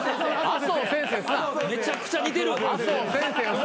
めちゃくちゃ似てる。